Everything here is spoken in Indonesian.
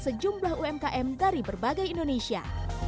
sejumlah umkm dari berbagai indonesia